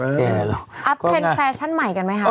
อัพเคล็นต์แฟชั่นใหม่กันไหมครับ